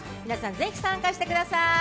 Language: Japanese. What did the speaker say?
ぜひ参加してください。